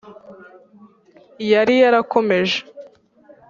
Yari Yarakomeje